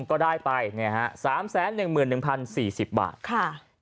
ก็ถือว่าถูกเหมือนกัน